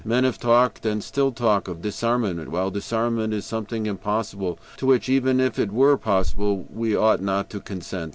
"Men have talked, and still talk, of disarmament, while disarmament is something impossible, to which, even if it were possible, we ought not to consent.